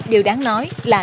điều đáng nói là